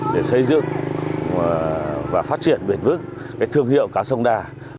để xây dựng và phát triển bền vững thương hiệu cá sông đà